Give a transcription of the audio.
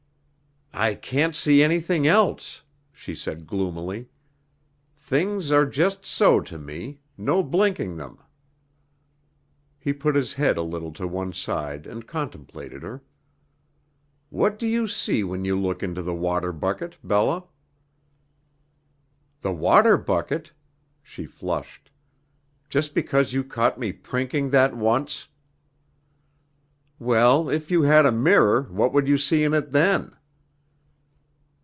"I can't see anything else," she said gloomily. "Things are just so to me no blinking them." He put his head a little to one side and contemplated her. "What do you see when you look into the water bucket, Bella?" "The water bucket?" She flushed. "Just because you caught me prinking that once!" "Well, if you had a mirror, what would you see in it, then?"